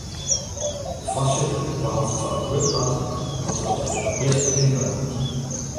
De foarsitter bepaalt foar in grut part wat der op de Europeeske aginda komt.